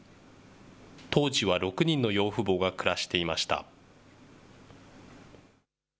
当時は６人の養父母が暮らしていました。